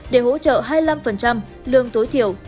để hỗ trợ hai mươi năm lương tối thiểu